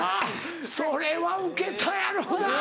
それはウケたやろなぁ！